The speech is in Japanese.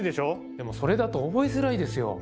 でもそれだと覚えづらいですよ。